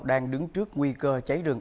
đang đứng trước nguy cơ cháy rừng